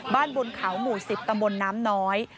บ้านบนเขามูศิษย์ตำบลน้ำน้อย